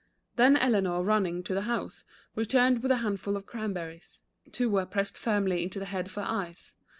Then Eleanor running to the house, re turned with a handful of cranberries. Two were pressed firmly into the head for eyes.